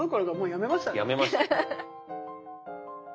やめましたね。